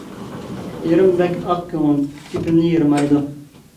-ئېرىم بەك ئاق كۆڭۈل گېپىمنى يىرمايدۇ.